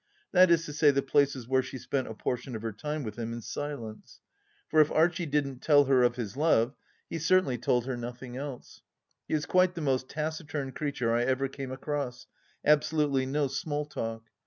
That is to say, the places where she spent a portion of her time with him in silence. For if Archie didn't tell her of his love, he certainly told her nothing else. He is quite the most taciturn creature I ever came across — ^abso lutely no small talk.